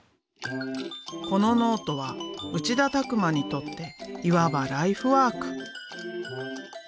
このノートは内田拓磨にとっていわばライフワーク。